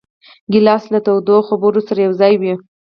ګیلاس له تودو خبرو سره یوځای وي.